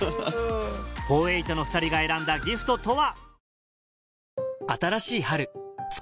フォーエイト４８の２人が選んだギフトとは？